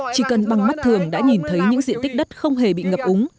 chỉ cần bằng mắt thường đã nhìn thấy những diện tích đất không hề bị ngập úng